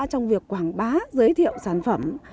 trong việc quảng bá giới thiệu sản phẩm